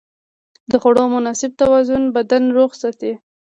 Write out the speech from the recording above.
د خوړو مناسب توازن بدن روغ ساتي.